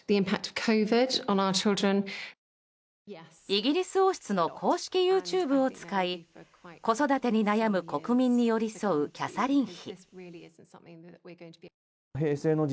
イギリス王室の公式ＹｏｕＴｕｂｅを使い子育てに悩む国民に寄り添うキャサリン妃。